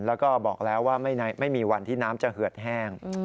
แล้วก็บอกแล้วว่าไม่มีวันที่น้ำจะเหือดแห้ง